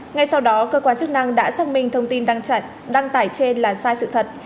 ngay sau đó cơ quan chức năng đã xác minh thông tin đăng tải trên là sai sự thật